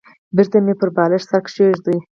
بېرته مې پر بالښت سر کېښود.